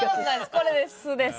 これです